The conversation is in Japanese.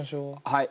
はい。